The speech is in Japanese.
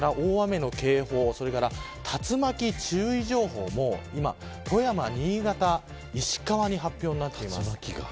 大雨の警報、竜巻注意情報も今、富山、新潟、石川に発表になっています。